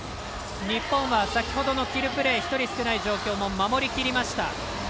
日本は先ほどのキルプレー１人少ない状況も守りきりました。